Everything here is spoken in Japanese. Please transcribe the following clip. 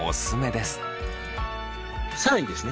更にですね